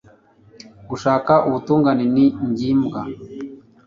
gushaka ubutungane ni ngimbwa